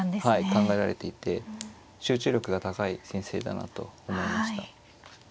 考えられていて集中力が高い先生だなと思いました。